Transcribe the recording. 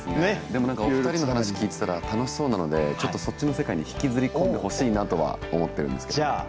でも何かお二人の話聞いてたら楽しそうなのでちょっとそっちの世界に引きずり込んでほしいなとは思ってるんですけれども。